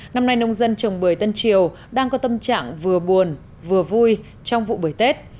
năm nay nông dân trồng bưởi tân triều đang có tâm trạng vừa buồn vừa vui trong vụ bưởi tết